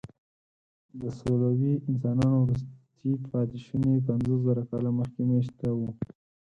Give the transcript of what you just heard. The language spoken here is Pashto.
د سولويي انسانانو وروستي پاتېشوني پنځوسزره کاله مخکې مېشته وو.